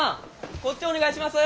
こっちお願いします！